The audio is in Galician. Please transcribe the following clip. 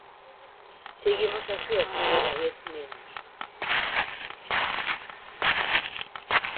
Seguimos a ser cada vez menos.